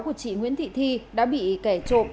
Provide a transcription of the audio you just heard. của chị nguyễn thị thi đã bị kẻ trộm